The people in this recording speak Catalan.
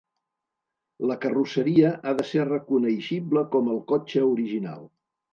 La carrosseria ha de ser reconeixible com el cotxe original.